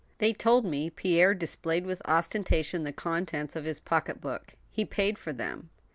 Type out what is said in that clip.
They told me Pierre displayed with ostentation the contents of his pocket book. He paid for them